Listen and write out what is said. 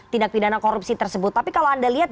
tindak pidana korupsi tersebut tapi kalau anda lihat